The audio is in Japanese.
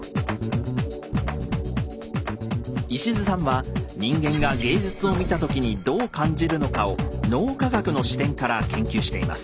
石津さんは人間が芸術を見た時にどう感じるのかを脳科学の視点から研究しています。